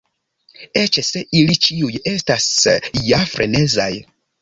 Eĉ se ili ĉiuj estas ja frenezaj.